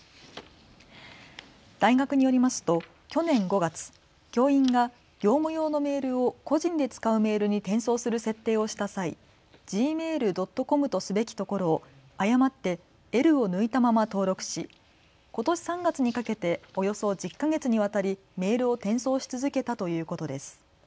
大学によりますと去年５月、教員が業務用のメールを個人で使うメールに転送する設定をした際、ｇｍａｉｌ．ｃｏｍとすべきところを誤ってｌを抜いたまま登録し、ことし３月にかけておよそ１０か月にわたりメールを転送し続けたということです。